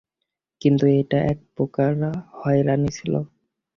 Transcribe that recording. কিন্তু ওটা এক প্রকার হয়রানি ছিল।